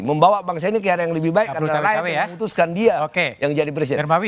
membawa bangsa ini ke arah yang lebih baik antara lain memutuskan dia yang jadi presiden